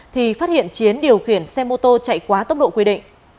thì phát hiện chiến điều khiển xe mô tô chạy quá tốc độ quy định